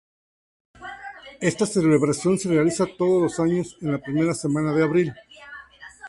Esta celebración se realiza todos los años, en la primera semana de abril.